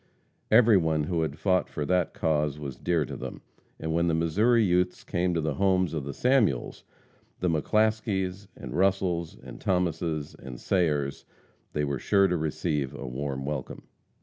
Every one who had fought for that cause was dear to them, and when the Missouri youths came to the homes of the Samuels, and McClaskeys, and Russels, and Thomases, and Sayers, they were sure to receive a warm welcome.